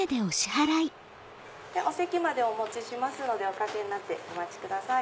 お席までお持ちしますのでおかけになってお待ちください。